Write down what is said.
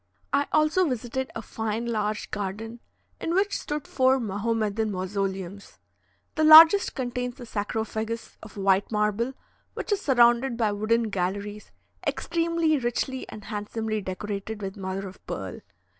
I also visited a fine large garden, in which stood four Mahomedan mausoleums. The largest contains a sarcophagus of white marble, which is surrounded by wooden galleries extremely richly and handsomely decorated with mother of pearl.